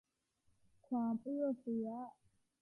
ความเอื้อเฟื้อ